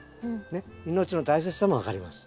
ねっ命の大切さも分かります。